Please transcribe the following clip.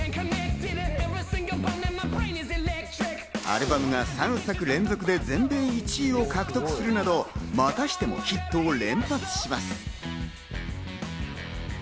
アルバムが３作連続で全米１位を獲得するなどまたしてもヒットを連発します。